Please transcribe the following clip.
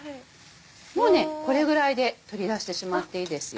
もうこれぐらいで取り出してしまっていいですよ。